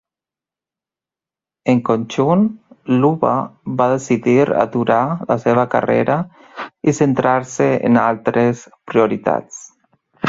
En conjunt, Luba va decidir aturar la seva carrera i centrar-se en altres prioritats.